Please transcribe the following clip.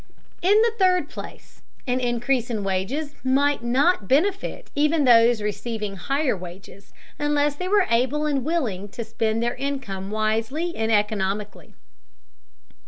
In the third place, an increase in wages might not benefit even those receiving higher wages unless they were able and willing to spend their income wisely and economically.